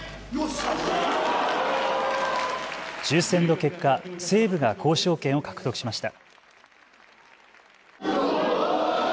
抽せんの結果、西武が交渉権を獲得しました。